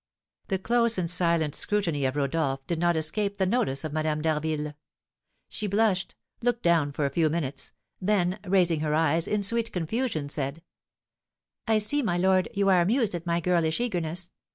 The close and silent scrutiny of Rodolph did not escape the notice of Madame d'Harville. She blushed, looked down for a few minutes, then, raising her eyes in sweet confusion, said: "I see, my lord, you are amused at my girlish eagerness.